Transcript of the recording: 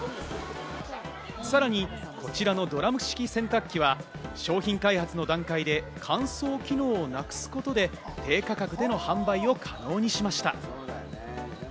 さらに、こちらのドラム式洗濯機は商品開発の段階で、乾燥機能をなくすことで低価格での販売を可能にしました。